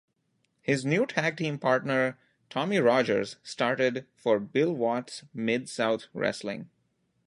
His new tag team partner Tommy Rogers started for Bill Watts' Mid-South Wrestling.